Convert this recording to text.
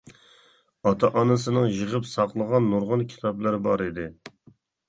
ئاتا-ئانىسىنىڭ يىغىپ ساقلىغان نۇرغۇن كىتابلىرى بار ئىدى.